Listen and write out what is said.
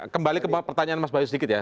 kembali ke pertanyaan mas bayu sedikit ya